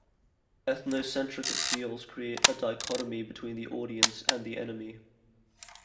Ethnocentric appeals create a dichotomy between the audience and the enemy.